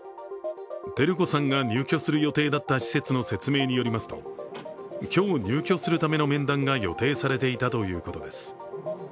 照子さんが入居する予定だった施設の説明によりますと今日、入居するための面談が予定されていたということです。